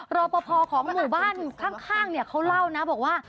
รอปภของหมู่บ้านข้างเนี่ยเขาเล่านะบอกว่า